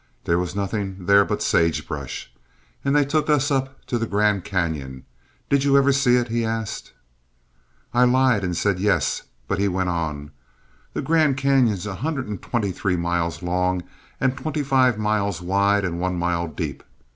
There was nothing there but sagebrush. And they took us up to the Grand Canyon. Did you ever see it?" he asked. I lied and said yes, but he went on: "The Grand Canyon's 123 miles long and twenty five miles wide and one mile deep.